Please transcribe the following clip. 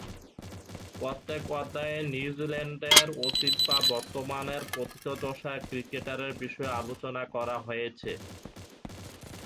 প্রত্যেক অধ্যায়ে নিউজিল্যান্ডের অতীত বা বর্তমানের প্রথিতযশা ক্রিকেটারের বিষয়ে আলোচনা করা হয়েছে।